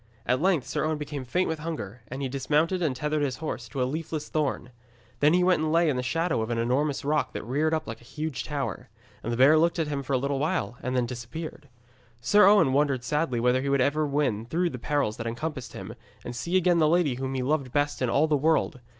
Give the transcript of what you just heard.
At length Sir Owen became faint with hunger, and he dismounted and tethered his horse to a leafless thorn. Then he went and lay in the shadow of an enormous rock that reared up like a huge tower. And the bear looked at him for a little while and then disappeared. Sir Owen wondered sadly whether he should ever win through the perils that encompassed him, and see again the lady whom he loved best in all the world.